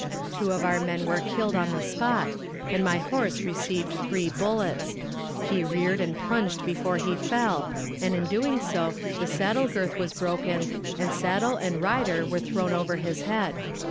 Two of our men were killed on the spot, and my horse received three bullets. He reared and plunged before he fell, and in doing so the saddle girth was broken, and saddle and rider were thrown over his head.